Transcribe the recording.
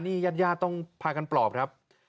นี่ยัดยาต้องพากันปลอบครับ